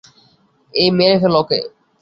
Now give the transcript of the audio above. এই, মেরে ফেল ওকে!